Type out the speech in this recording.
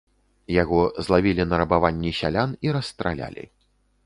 Яго злавілі на рабаванні сялян і расстралялі.